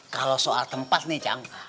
kalau soal tempat nih cang